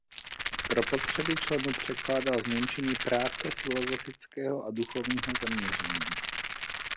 Pro potřeby členů překládal z němčiny práce filosofického a duchovního zaměření.